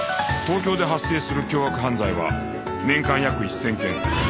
東京で発生する凶悪犯罪は年間約１０００件